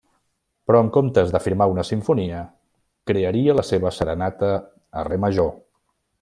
Però en comptes de firmar una simfonia, crearia la seva serenata a re major.